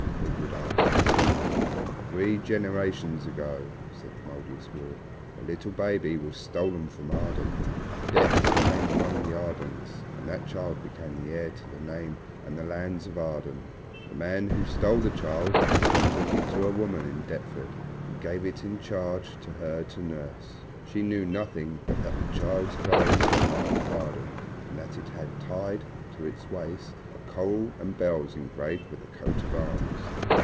Edred asked, bewildered. "Three generations ago," said the Mouldiestwarp, "a little baby was stolen from Arden. Death came among the Ardens and that child became the heir to the name and the lands of Arden. The man who stole the child took it to a woman in Deptford, and gave it in charge to her to nurse. She knew nothing but that the child's clothes were marked Arden, and that it had, tied to its waist, a coral and bells engraved with a coat of arms.